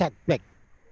seperti apa yang dikatakan